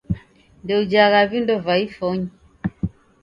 Ndoujhagha vindo va ifonyi